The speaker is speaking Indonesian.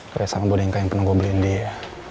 kayak sama boneka yang pernah gua beliin dia